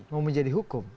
mau menjadi hukum